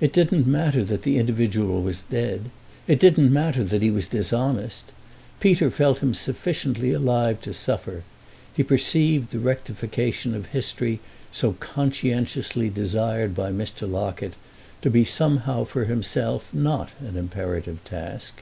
It didn't matter that the individual was dead; it didn't matter that he was dishonest. Peter felt him sufficiently alive to suffer; he perceived the rectification of history so conscientiously desired by Mr. Locket to be somehow for himself not an imperative task.